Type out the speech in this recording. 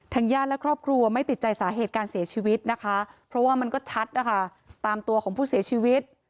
ทางย่านและครอบครัวไม่ติดใจมีสาเหตุใส่ชีวิตเพราะว่ามันก็ชัดตามตัวของผู้เสียชีวิต